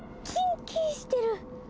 キンキンしてる！